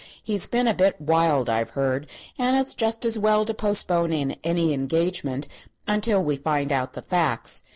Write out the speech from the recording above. He's been a bit wild, I've heard, and it is just as well to postpone any engagement until we find out the facts.